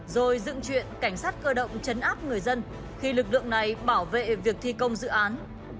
rồi dựng chuyện cảnh sát cơ động chấn áp người dân khi lực lượng này bảo vệ việc thi công dự án